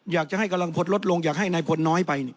อยากจะให้กำลังพลลดลงอยากให้นายพลน้อยไป